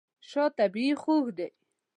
شات طبیعي خوږ دی.